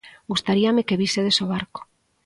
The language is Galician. Gustaríame que vísedes o barco.